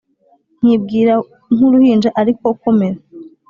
nkibwira nk uruhinja Ariko komera